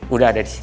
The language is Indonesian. udah ada di sini